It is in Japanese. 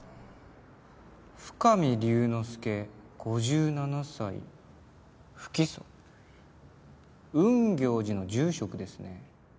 「深見龍之介５７歳」「不起訴」雲行寺の住職ですね。